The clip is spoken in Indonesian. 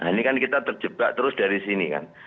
ini kan kita terjebak terus dari sini kan